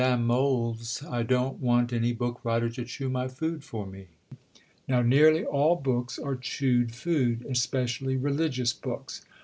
Mohl's, "I don't want any book writer to chew my food for me." Now nearly all books are chewed food especially religious books....